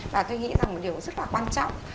và tôi nghĩ rằng một điều rất là quan trọng